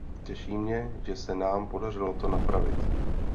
Těší mě, že se nám podařilo to napravit.